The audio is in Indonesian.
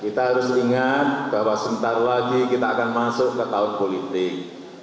kita harus ingat bahwa sebentar lagi kita akan masuk ke tahun politik